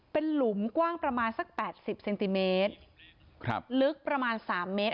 เป็นหลุมกว้างประมาณสักแปดสิบเซนติเมตรครับลึกประมาณสามเมตร